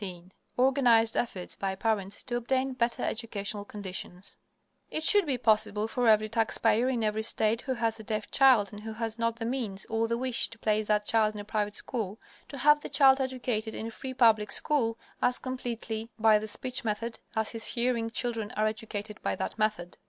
XVII ORGANIZED EFFORTS BY PARENTS TO OBTAIN BETTER EDUCATIONAL CONDITIONS It should be possible for every taxpayer in every state who has a deaf child and who has not the means or the wish to place that child in a private school, to have the child educated in a free public school as completely by the speech method as his hearing children are educated by that method.